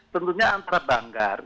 tentunya antara banggar